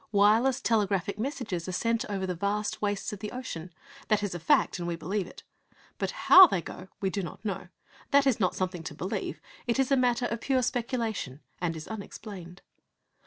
Wireless telegraphic messages are sent over the vast wastes of ocean. That is a fact, and we believe it. But how they go we do not know. That is not something to believe. It is a matter of pure speculation, and is unexplained.